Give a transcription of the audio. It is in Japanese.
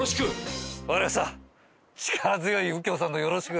力強い右京さんの「よろしく！」。